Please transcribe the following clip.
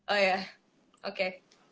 oh ya oke